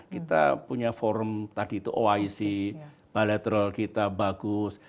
kita punya forum tadi itu oic bilateral kita bagus